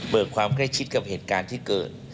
ความใกล้ชิดกับเหตุการณ์ที่เกิด